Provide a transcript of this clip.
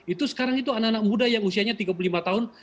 itu sekarang itu anak anak muda yang usianya tiga puluh lima tahun